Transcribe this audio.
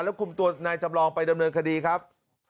คุมตัวนายจำลองไปดำเนินคดีครับ